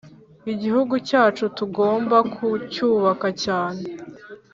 Igihugu cyacu tugomba kucyubaka cyane